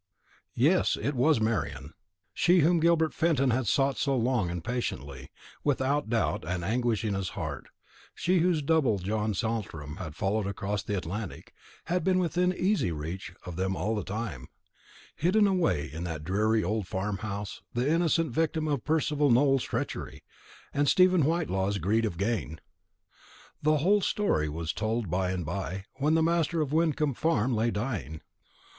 Yes, it was Marian. She whom Gilbert Fenton had sought so long and patiently, with doubt and anguish in his heart; she whose double John Saltram had followed across the Atlantic, had been within easy reach of them all the time, hidden away in that dreary old farm house, the innocent victim of Percival Nowell's treachery, and Stephen Whitelaw's greed of gain. The whole story was told by and by, when the master of Wyncomb Farm lay dying.